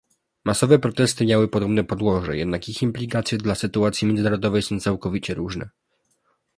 Masowe protesty miały podobne podłoże, jednak ich implikacje dla sytuacji międzynarodowej są całkowicie różne